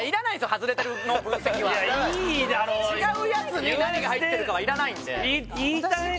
外れてる分析はいいだろ違うやつに何が入ってるかはいらないんで近いですか？